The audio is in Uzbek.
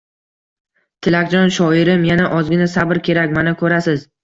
— Tilakjon, shoirim, yana ozgina sabr kerak. Mana, ko‘rasiz…